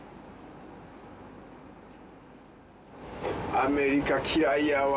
アメリカ嫌いやわ！